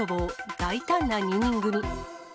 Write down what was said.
大胆な２人組。